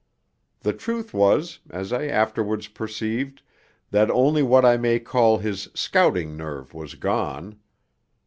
The truth was, as I afterwards perceived, that only what I may call his 'scouting' nerve was gone.